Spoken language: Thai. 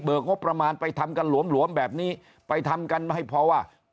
งบประมาณไปทำกันหลวมแบบนี้ไปทำกันไม่ให้พอว่า